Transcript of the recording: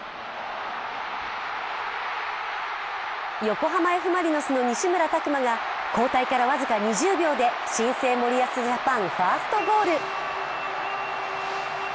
横浜Ｆ・マリノスの西村拓真が交代から僅か２０秒で新生森保ジャパンファーストゴール。